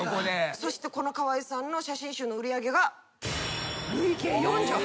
そしてこの川合さんの写真集の売り上げが。